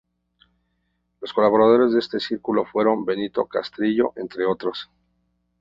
Los colaboradores de este Círculo fueron: Benito Castrillo, entre otros.